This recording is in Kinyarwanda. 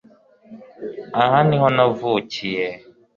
Aha niho navukiye